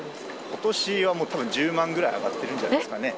ことしはもう、たぶん１０万ぐらい上がってるんじゃないですかね。